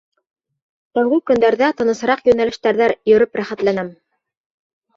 Тәүге көндәрҙә тынысыраҡ йүнәлештәрҙә йөрөп рәхәтләнәм.